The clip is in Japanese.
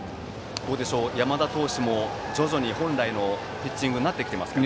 山田投手も徐々に本来のピッチングになってきていますか。